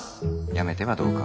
辞めてはどうか？